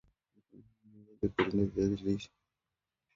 Mkulima anawezaje kulinda viazi lishe visiharibiwe na wadudu